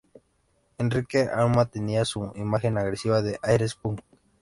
Enrique aún mantenía su imagen agresiva de aires punk.